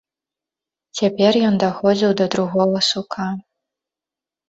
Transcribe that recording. Цяпер ён даходзіў да другога сука.